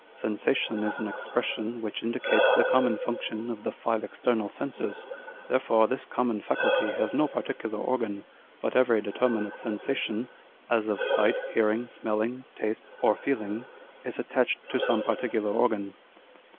Sensation is an expression which indicates the common function of the five external senses ; therefore this common faculty has no particular organ, but every determinate sensation â€" as of sight, hearing, smelling, taste, or feeling â€" is attached to some particular organ."